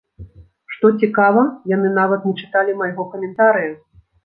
Што цікава, яны нават не чыталі майго каментарыя!